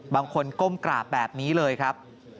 ก้มกราบแบบนี้เลยครับ